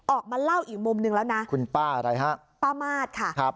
ออกมาเล่าอีกมุมหนึ่งแล้วนะคุณป้าอะไรฮะป้ามาสค่ะครับ